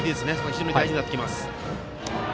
非常に大事になってきます。